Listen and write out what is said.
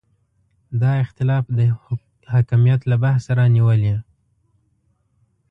دا اختلاف د حکمیت له بحثه رانیولې.